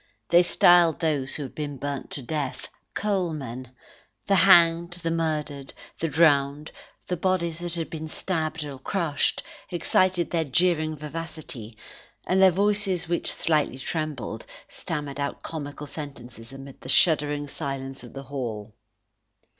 They styled those who had been burnt to death, coalmen; the hanged, the murdered, the drowned, the bodies that had been stabbed or crushed, excited their jeering vivacity, and their voices, which slightly trembled, stammered out comical sentences amid the shuddering silence of the hall.